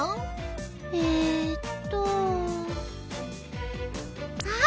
えっとあっ！